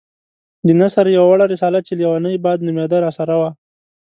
د نثر يوه وړه رساله چې ليونی باد نومېده راسره وه.